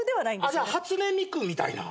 じゃあ初音ミクみたいな？